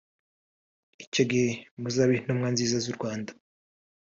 icyo gihe muzabe intumwa nziza z’u Rwanda”